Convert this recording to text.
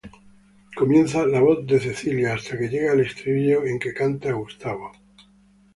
Comienza la voz de Cecilia, hasta que llega el estribillo en que canta Gustavo.